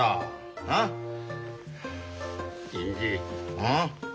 うん？